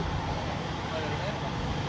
kalau dari mana